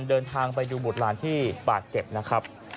เดินทางไปดูบุตรหลานที่บาดเจ็บนะครับ